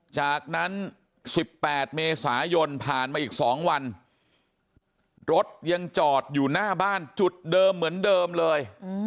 จากนั้น๑๘เมษายนผ่านมาอีก๒วันรถยังจอดอยู่หน้าบ้านจุดเดิมเหมือนเดิมเลย